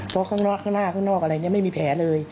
เพราะข้างหน้าข้างนอกอะไรนี่ไม่มีแผลเลย